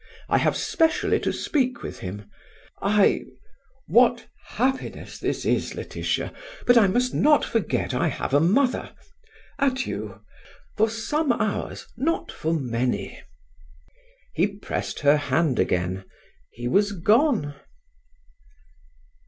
I have specially to speak with him. I what happiness this is, Laetitia! But I must not forget I have a mother. Adieu; for some hours not for many!" He pressed her hand again. He was gone.